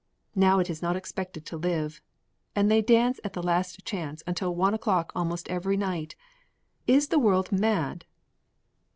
Now it is not expected to live. And they dance at the Last Chance until one o'clock almost every night. Is the world mad?"